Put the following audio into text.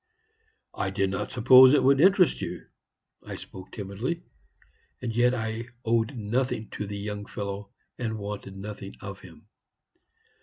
"'I did not suppose it would interest you.' I spoke timidly; and yet I owed nothing to the young fellow, and wanted nothing of him.